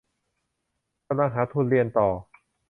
กำลังหาทุนเรียนต่อ